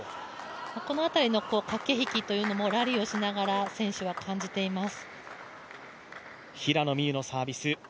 この辺りの駆け引きというのもラリーをしながら選手は感じています。